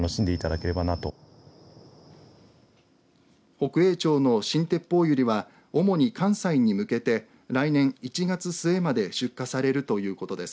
北栄町のシンテッポウユリは主に関西に向けて来年１月末まで出荷されるということです。